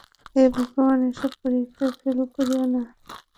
হেই ভগবান এইবার পরীক্ষায় ফেল করিয়ো না।